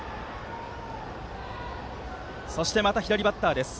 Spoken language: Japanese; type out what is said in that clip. そしてまた左バッターです。